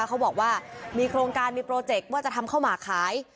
เขาบอกว่ามีโครงการมีโปรเจคว่าจะทำข้าวหมากขาย